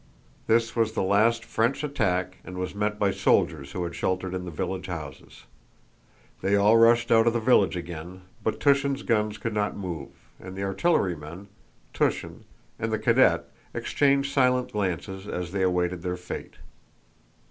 This was the last French attack and was met by soldiers who had sheltered in the village houses. They all rushed out of the village again, but Túshin's guns could not move, and the artillerymen, Túshin, and the cadet exchanged silent glances as they awaited their fate.